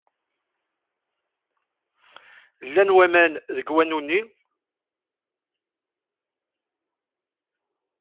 Llan waman deg wanu-nni?